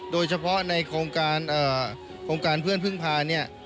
โดยเฉพาะในโครงการเพื่อนพึ่งพา